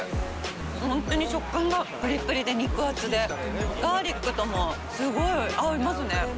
本当に食感がプリプリで、肉厚で、ガーリックともすごい合いますね。